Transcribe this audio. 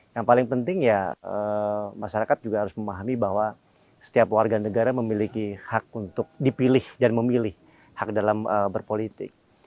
yang paling penting ya masyarakat juga harus memahami bahwa setiap warga negara memiliki hak untuk dipilih dan memilih hak dalam berpolitik